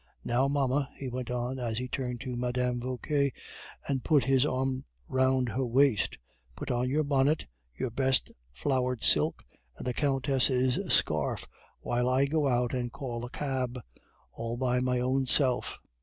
Now, mamma," he went on, as he turned to Madame Vauquer and put his arm round her waist, "put on your bonnet, your best flowered silk, and the countess' scarf, while I go out and call a cab all my own self."